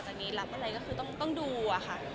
จากนี้หลับอะไรก็คือต้องดูค่ะ